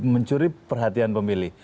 mencuri perhatian pemilih